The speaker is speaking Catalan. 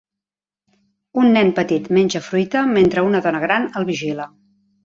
Un nen petit menja fruita mentre una dona gran el vigila.